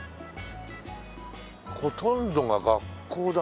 ほとんどが学校だね。